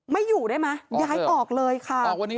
ไม่อยู่ได้มั้ยย้ายออกเลยค่ะ